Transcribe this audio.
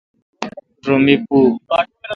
رو می پو۔